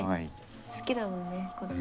好きだもんね子ども。